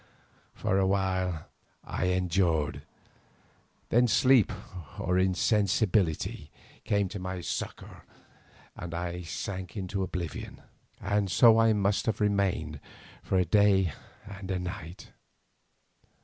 For a while I endured, then sleep or insensibility came to my succour, and I sank into oblivion, and so I must have remained for a day and a night.